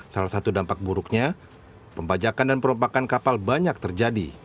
salah satu dampak buruknya pembajakan dan perompakan kapal banyak terjadi